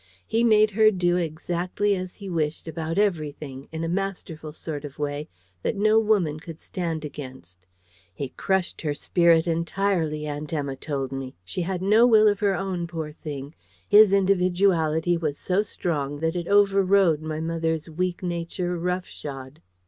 He made her do exactly as he wished about everything, in a masterful sort of way, that no woman could stand against. He crushed her spirit entirely, Aunt Emma told me; she had no will of her own, poor thing: his individuality was so strong, that it overrode my mother's weak nature rough shod.